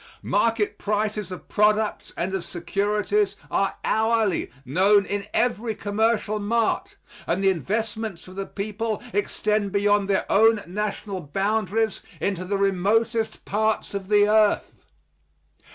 Market prices of products and of securities are hourly known in every commercial mart, and the investments of the people extend beyond their own national boundaries into the remotest parts of the earth.